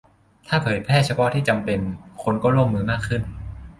ถ้าเผยแพร่เฉพาะที่จำเป็น คนก็ร่วมมือมากขึ้น